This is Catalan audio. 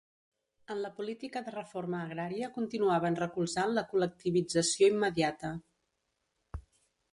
En la política de reforma agrària continuaven recolzant la col·lectivització immediata.